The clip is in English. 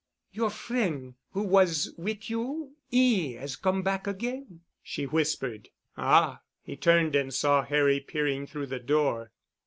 "Your frien' who was wit' you—'e 'as come back again," she whispered. "Ah——" he turned and saw Harry peering through the door.